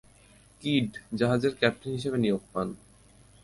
Kid জাহাজের captain হিসেবে নিয়োগ পান।